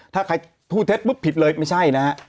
ถ้าใครพูดเท็จปุ๊บผิดเลยไม่ใช่นะฮะ